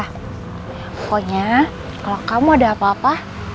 pokoknya kalau kamu ada apa apa